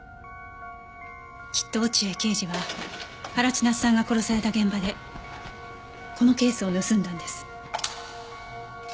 きっと落合刑事は原千夏さんが殺された現場でこのケースを盗んだんです。